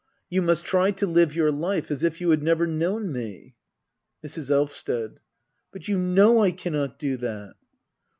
You must try to live your life as if you had never known me. Mrs. Elvsted. But you know I cannot do that